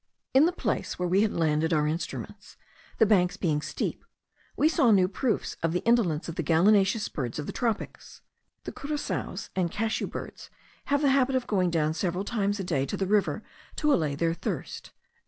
In the place where we had landed our instruments, the banks being steep, we saw new proofs of the indolence of the gallinaceous birds of the tropics. The curassaos and cashew birds* have the habit of going down several times a day to the river to allay their thirst.